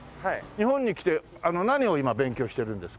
日本に来て何を今勉強してるんですか？